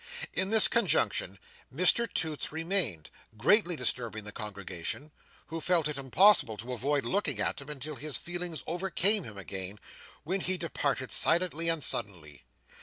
In this conjunction Mr Toots remained, greatly disturbing the congregation, who felt it impossible to avoid looking at him, until his feelings overcame him again, when he departed silently and suddenly.